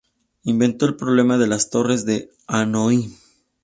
Inventó el problema de las Torres de Hanói.